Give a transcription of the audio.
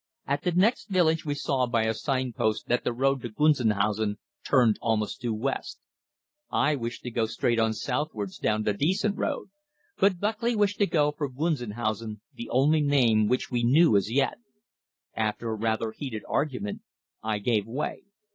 At the next village we saw by a sign post that the road to Gunzenhausen turned almost due west. I wished to go straight on southwards down a decent road, but Buckley wished to go for Gunzenhausen, the only name which we knew as yet. After a rather heated argument I gave way.